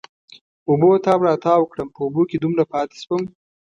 اوبو تاو را تاو کړم، په اوبو کې دومره پاتې شوم.